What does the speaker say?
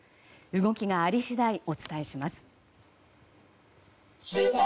動きがあり次第、お伝えします。